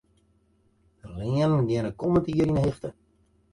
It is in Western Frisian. De leanen geane kommend jier yn 'e hichte.